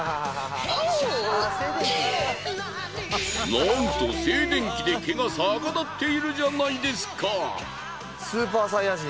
なんと静電気で毛が逆立っているじゃないですか！